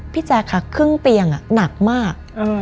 แจ๊คค่ะครึ่งเตียงหนักมาก